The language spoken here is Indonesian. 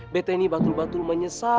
bete ini batul batul menyesal sekali